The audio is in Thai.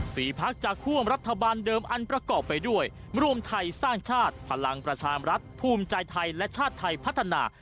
พักจากคั่วมรัฐบาลเดิมอันประกอบไปด้วยรวมไทยสร้างชาติพลังประชามรัฐภูมิใจไทยและชาติไทยพัฒนา